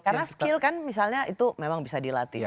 karena skill kan misalnya itu memang bisa dilatih